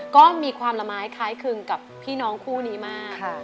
ก็มีความละไม้คล้ายคลึงกับพี่น้องคู่นี้มาก